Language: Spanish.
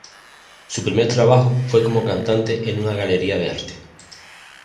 Su primer trabajo fue como cantante en una galería de arte.